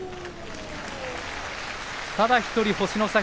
ただ１つ星の差